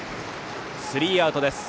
スリーアウト。